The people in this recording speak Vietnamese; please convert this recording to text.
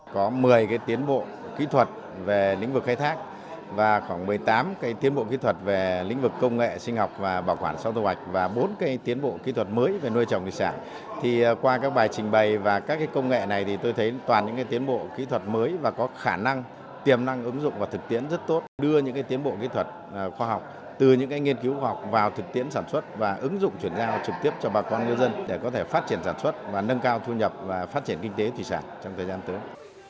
chuyển giao trực tiếp cho bà con người dân để có thể phát triển sản xuất và nâng cao thu nhập và phát triển kinh tế thủy sản trong thời gian tới